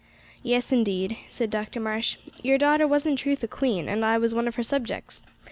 "Yes, indeed," said Dr Marsh, "your daughter was in truth a queen, and I was one of her subjects.